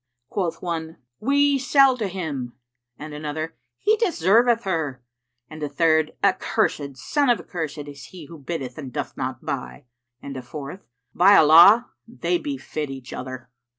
Quoth one, "We sell to him;" and another, "He deserveth her;" and a third, "Accursed, son of accursed, is he who biddeth and doth not buy!"; and a fourth, "By Allah, they befit each other!"